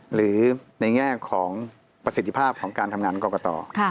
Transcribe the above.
หรือในแง่ของประสิทธิภาพของการทำงานกรกต